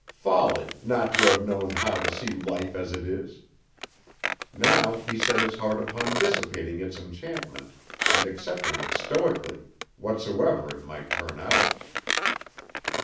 Folly, not to have known how to see life as it is! Now he set his heart upon dissipating its enchantment and accepting it stoically, whatsoever it might turn out.